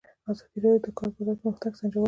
ازادي راډیو د د کار بازار پرمختګ سنجولی.